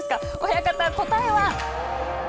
親方、答えは。